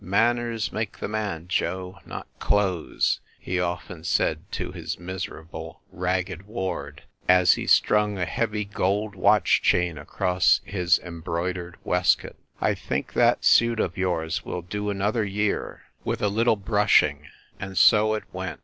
"Manners make the man, Joe, not clothes!" he often said to his miser able, ragged ward, as he strung a heavy gold watch chain across his embroidered waistcoat. "I think that suit of yours will do another year, with a little brushing." And so it went.